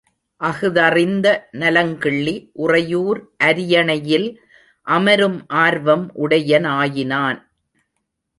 அஃதறிந்த நலங்கிள்ளி உறையூர் அரியணை யில் அமரும் ஆர்வம் உடையனாயினான்.